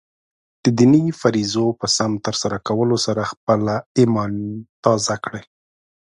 د دیني فریضو په سم ترسره کولو سره خپله ایمان تازه کړئ.